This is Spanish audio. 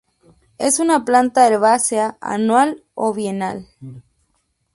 Es una planta herbácea anual o bienal.